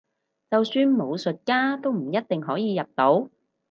就算武術家都唔一定可以入到